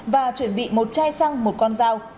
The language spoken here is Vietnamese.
và chuẩn bị một chai xăng một con dao